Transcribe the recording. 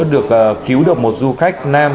được cứu được một du khách nam